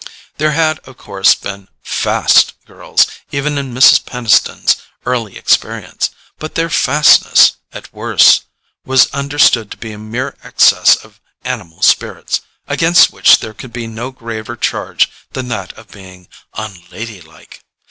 There had of course been "fast" girls even in Mrs. Peniston's early experience; but their fastness, at worst, was understood to be a mere excess of animal spirits, against which there could be no graver charge than that of being "unladylike."